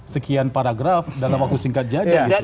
sekian paragraf dalam waktu singkat jadi